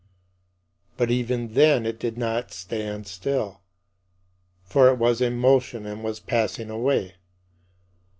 But even then it did not stand still, for it was in motion and was passing away.